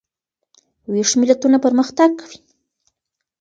ویښ ملتونه پرمختګ کوي.